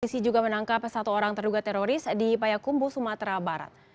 polisi juga menangkap satu orang terduga teroris di payakumbu sumatera barat